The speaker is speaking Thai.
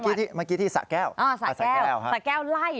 เมื่อกี้ที่สะแก้วสะแก้วสะแก้วไล่